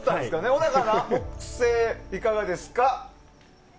小高アナ、木星いかがですか？